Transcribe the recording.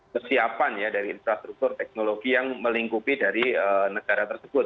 kesiapan ya dari infrastruktur teknologi yang melingkupi dari negara tersebut